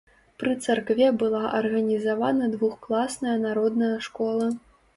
Пры царкве была арганізавана двухкласная народная школа.